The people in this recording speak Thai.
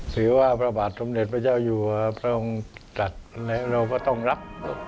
ถือว่าพระบาทสมเด็จพระเจ้าอยู่พระองค์จัดและเราก็ต้องรับ